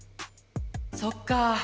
そっか。